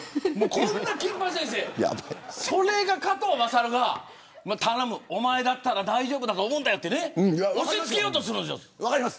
こんな金八先生それが加藤優が頼む、おまえだったら大丈夫だと思うんだよって押し付けようとするんですよ。